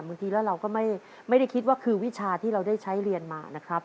บางทีแล้วเราก็ไม่ได้คิดว่าคือวิชาที่เราได้ใช้เรียนมานะครับ